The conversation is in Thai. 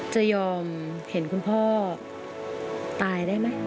จะยอมเห็นคุณพ่อตายได้ไหม